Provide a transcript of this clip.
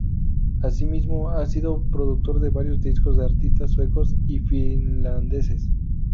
Asimismo, ha sido productor de varios discos de artistas suecos y finlandeses.